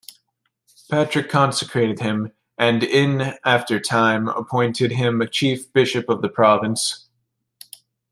Patrick consecrated him, and in after time appointed him chief bishop of the province.